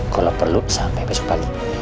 kalo perlu sampai besok balik